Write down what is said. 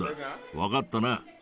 分かったな？